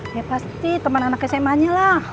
ya pasti temen anaknya saya manny lah